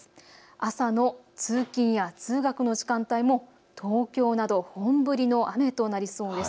朝の通勤や通学の時間帯も東京など本降りの雨となりそうです。